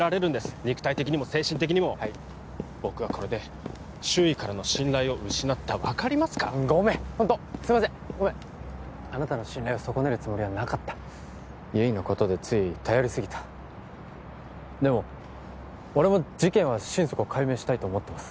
肉体的にも精神的にもはい僕はこれで周囲からの信頼を失った分かりますかごめんホントすいませんごめんあなたの信頼を損ねるつもりはなかった悠依のことでつい頼りすぎたでも俺も事件は心底解明したいと思ってます